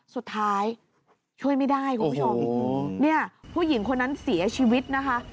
สุดท้ายช่วยไม่ได้คุณผู้ชมเนี่ยผู้หญิงคนนั้นเสียชีวิตนะคะ